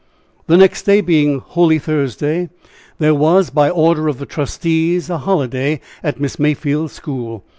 The next day being Holy Thursday, there was, by order of the trustees, a holiday at Miss Mayfield's school.